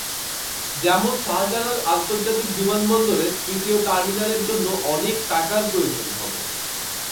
যেমন শাহজালাল আন্তর্জাতিক বিমানবন্দরের তৃতীয় টার্মিনালের জন্য অনেক টাকার প্রয়োজন হবে।